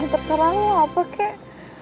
terserah lu apa kek